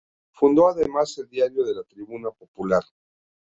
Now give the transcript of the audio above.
Fundó además el diario La Tribuna Popular.